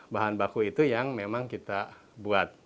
bahan baku itu yang memang kita buat